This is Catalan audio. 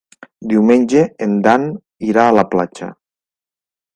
Diumenge en Dan irà a la platja.